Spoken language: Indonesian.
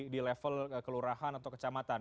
di level kelurahan atau kecamatan